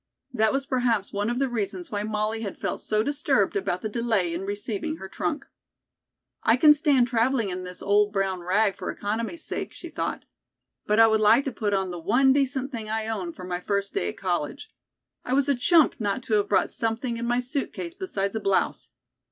That was perhaps one of the reasons why Molly had felt so disturbed about the delay in receiving her trunk. "I can stand traveling in this old brown rag for economy's sake," she thought; "but I would like to put on the one decent thing I own for my first day at college. I was a chump not to have brought something in my suit case besides a blouse.